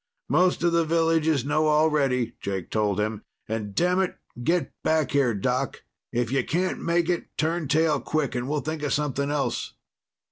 "Most of the villages know already," Jake told him. "And damn it, get back here, Doc. If you can't make it, turn tail quick, and we'll think of something else."